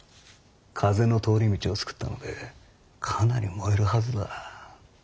風の通り道を作ったのでかなり燃えるはずだ。